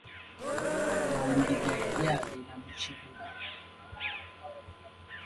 Wandiga yali abeera mu kibuga.